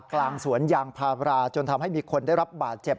กลางสวนยางพาราจนทำให้มีคนได้รับบาดเจ็บ